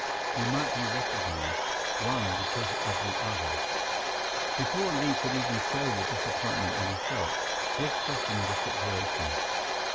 You might be recognized, one because of the other." Before Li could even show the disappointment that he felt, Biff softened the situation.